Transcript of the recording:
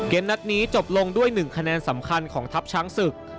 นัดนี้จบลงด้วย๑คะแนนสำคัญของทัพช้างศึก